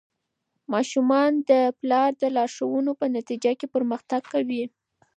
ماشومان د پلار د لارښوونو په نتیجه کې پرمختګ کوي.